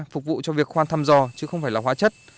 phục vụ cho việc khoan thăm dò chứ không phải là hóa chất